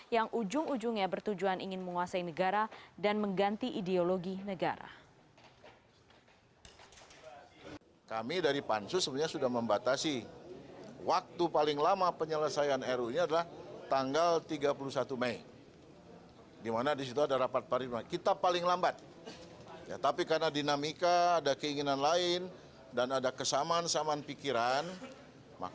yang ujung ujungnya bertujuan ingin menguasai negara dan mengganti ideologi negara